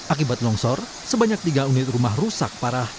akibat longsor sebanyak tiga unit rumah rusak parah